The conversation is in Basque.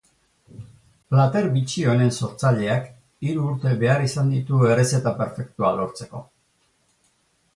Plater bitxi honen sortzaileak hiru urte behar izan ditu errezeta perfektua lortzeko.